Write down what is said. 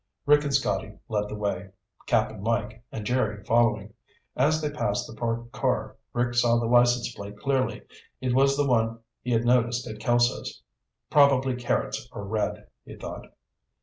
Rick and Scotty led the way, Cap'n Mike and Jerry following. As they passed the parked car, Rick saw the license plate clearly. It was the one he had noticed at Kelso's. Probably Carrots or Red, he thought.